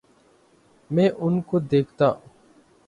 میں ان کو دیکھتا